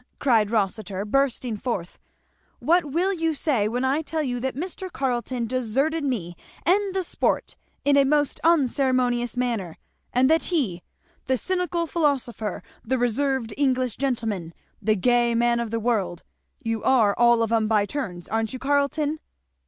cried Rossitur, bursting forth, "What will you say when I tell you that Mr. Carleton deserted me and the sport in a most unceremonious manner, and that he, the cynical philosopher, the reserved English gentleman, the gay man of the world, you are all of 'em by turns, aren't you, Carleton?